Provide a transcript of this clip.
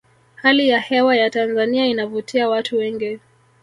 hali ya hewa ya tanzania inavutia watu wengi